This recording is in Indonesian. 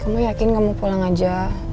kamu yakin kamu pulang aja